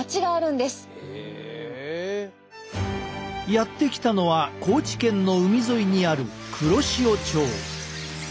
やって来たのは高知県の海沿いにある黒潮町。